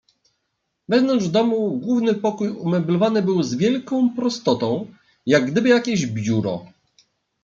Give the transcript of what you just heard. "Wewnątrz domu główny pokój umeblowany był z wielką prostotą, jak gdyby jakieś biuro."